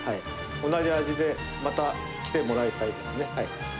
同じ味でまた来てもらいたいですね。